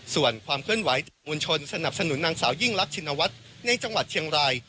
ส่วนความเคลื่อนไหวมวลชนสนับสนุนนางสาวยิ่งรักชินวัฒน์ในจังหวัดเชียงราย